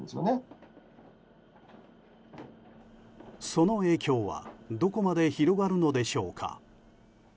その影響はどこまで広がるのでしょうか。